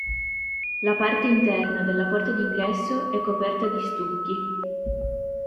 La parte interna della porta d'ingresso è coperta di stucchi.